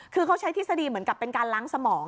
คือเขาใช้ทฤษฎีเหมือนกับเป็นการล้างสมอง